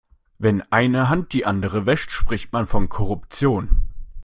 Wenn eine Hand die andere wäscht, spricht man von Korruption.